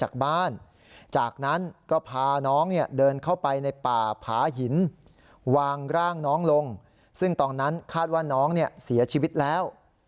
ร่างน้องลงซึ่งตอนนั้นคาดว่าน้องเสียชีวิตแล้ว